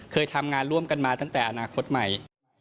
เคยทำงานร่วมกันมาตั้งแต่อนาคตใหม่